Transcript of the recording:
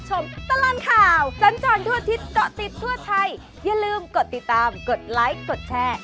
สวัสดีค่ะ